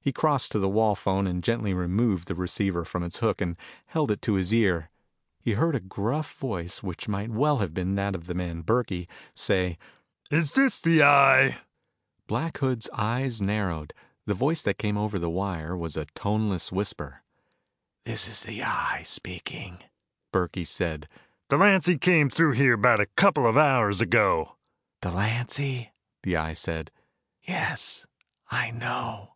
He crossed to the wall phone and gently removed the receiver from its hook and held it to his ear. He heard a gruff voice which might well have been that of the man Burkey, say: "Is this the Eye?" Black Hood's eyes narrowed. The voice that came back over the wire was a toneless whisper. "This is the Eye speaking." Burkey said, "Delancy came through here about a couple of hours ago." "Delancy?" the Eye said. "Yes, I know."